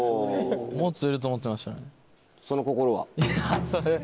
もっといると思ってましたね。